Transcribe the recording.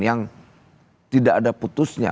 yang tidak ada putusnya